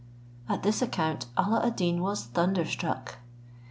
At this account, Alla ad Deen was thunder struck.